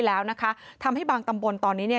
แล้วนะคะทำให้บางตำบลตอนนี้เนี่ย